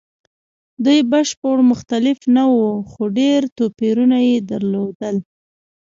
دوی بشپړ مختلف نه وو؛ خو ډېر توپیرونه یې درلودل.